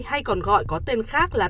hay còn gọi có tên khác là